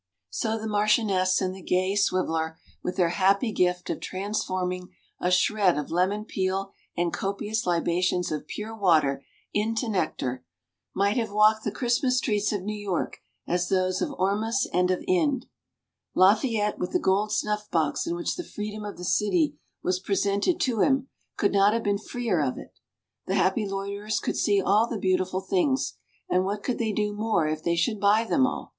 So the Marchioness and the gay Swiveller, with their happy gift of transforming a shred of lemon peel and copious libations of pure water into nectar, might have walked the Christmas streets of New York as those of Ormus and of Ind. Lafayette, with the gold snuff box in which the freedom of the city was presented to him, could not have been freer of it. The happy loiterers could see all the beautiful things, and what could they do more if they should buy them all?